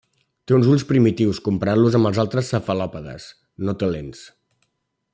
Té uns ulls primitius comparant-los amb altres cefalòpodes, no té lents.